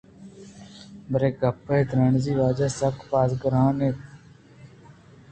پرے گپّءَ تانزی ءِ واجہ ءَ آسکّ باز گُرّءُ نِہِرّ کُت